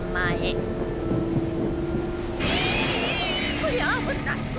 こりゃあぶない。